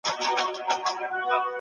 ژباړه د نورو ژبو په پوهیدو کي مرسته کوي.